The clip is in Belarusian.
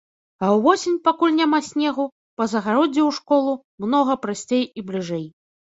А ўвосень, пакуль няма снегу, па загароддзі ў школу многа прасцей і бліжэй.